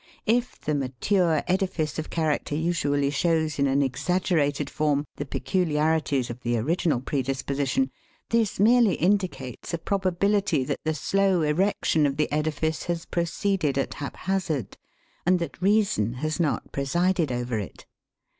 If the mature edifice of character usually shows in an exaggerated form the peculiarities of the original predisposition, this merely indicates a probability that the slow erection of the edifice has proceeded at haphazard, and that reason has not presided over it.